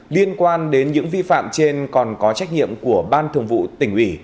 liên quan đến những vi phạm trên còn có trách nhiệm của ban thường vụ tỉnh ủy